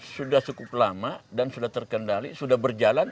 sudah cukup lama dan sudah terkendali sudah berjalan